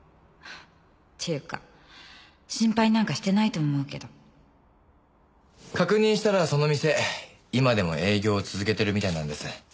「ていうか心配なんかしてないと思うけど」確認したらその店今でも営業を続けてるみたいなんです。